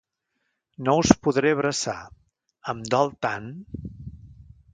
No us podré abraçar… Em dol tant!